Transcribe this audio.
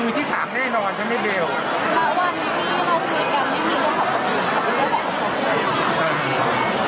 ตะวันที่เราคุยกันไม่มีเรื่องของประกันค่ะเรื่องของประกันค่ะ